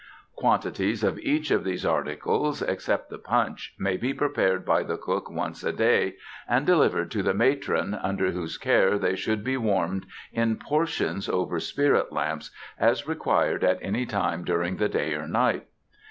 Quantities of each of these articles, except the punch, may be prepared by the cook once a day, and delivered to the matron, under whose care they should be warmed in portions over spirit lamps, as required at any time during the day or night.